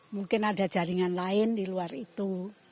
mungkin ada jaringan lain di luar itu